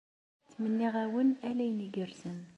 Ttmenniɣ-awen ala ayen igerrzen.